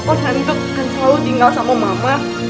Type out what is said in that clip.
pokoknya tuntut kan selalu tinggal sama mama